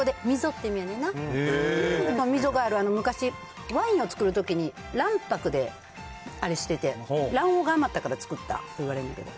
溝がある、昔、ワインを造るときに卵白であれしてて、卵黄が余ったから作ったっていわれるんけど。